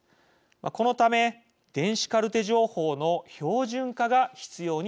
このため電子カルテ情報の標準化が必要になってきます。